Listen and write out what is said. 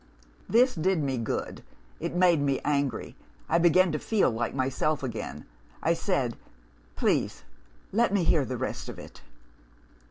"This did me good: it made me angry. I began to feel like myself again. I said, 'Please let me hear the rest of it.